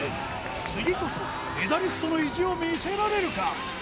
次こそメダリストの意地を見せられるか？